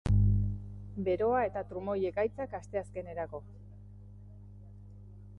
Beroa eta trumoi-ekaitzak asteazkenerako.